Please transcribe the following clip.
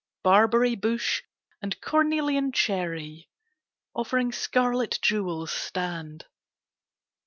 Barberry bush and cornelian cherry Offering scarlet jewels stand.